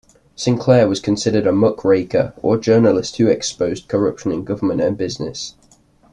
Sinclair was considered a muckraker, or journalist who exposed corruption in government and business.